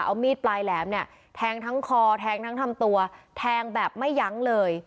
เอามีดปลายแหลมเนี่ยแทงทั้งคอแทงทั้งทำตัวแทงแบบไม่ยั้งเลย